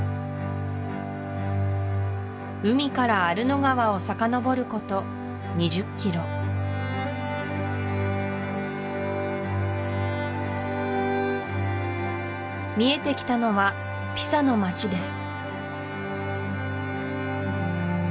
海からアルノ川をさかのぼること２０ｋｍ見えてきたのはピサの街です